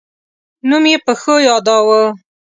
نوم یې په ښو یاداوه.